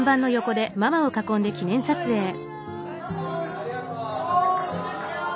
ありがとう！